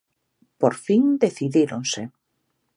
Por fin decidíronse.